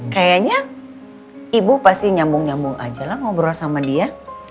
kayaknya ibu pasti nyambung nyambung ajalah ngobrol sama dia